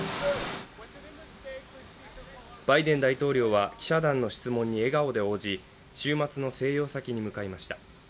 バイデン大統領は記者団の質問に笑顔で応じ週末の静養先に向かいました。